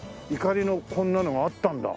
錨のこんなのがあったんだ。